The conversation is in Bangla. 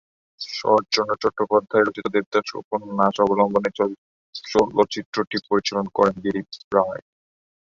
শরৎচন্দ্র চট্টোপাধ্যায় রচিত "দেবদাস" উপন্যাস অবলম্বনে চলচ্চিত্রটি পরিচালনা করেন দিলীপ রায়।